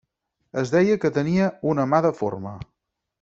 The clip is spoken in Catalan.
Es deia que tenia una mà deforme.